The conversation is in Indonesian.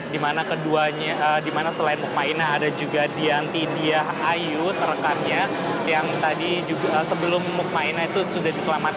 dimana selain mukmainas ada juga dianti dia ayu serekannya yang tadi sebelum mukmainas itu sudah diselamatkan selama sembilan jam begitu